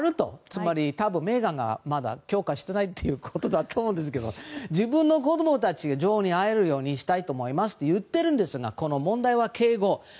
つまりメーガンがまだ許可していないということだと思うんですけど自分の子供たちを女王に会えるようにしたいと思いますと言っているんですが問題は警護。